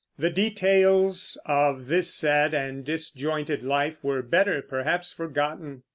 The details of this sad and disjointed life were better, perhaps, forgotten.